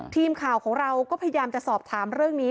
ทีมข่าวของเราก็พยายามจะสอบถามเรื่องนี้